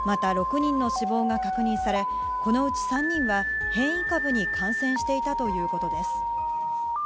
また、６人の死亡が確認されこのうち３人は変異株に感染していたということです。